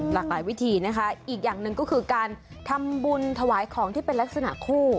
หลากหลายวิธีนะคะอีกอย่างหนึ่งก็คือการทำบุญถวายของที่เป็นลักษณะคู่